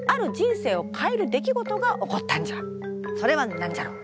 それは何じゃろう？